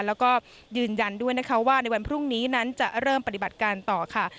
แล้วก็ยืนยันด้วยนะคะว่าในวันพรุ่งนี้นั้นจะเริ่มปฏิบัติการต่อค่ะ